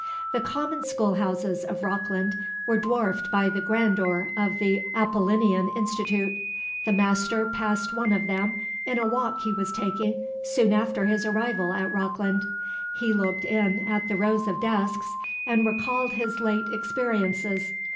The common schoolhouses of Rockland were dwarfed by the grandeur of the Apollinean Institute. The master passed one of them, in a walk he was taking, soon after his arrival at Rockland. He looked in at the rows of desks, and recalled his late experiences.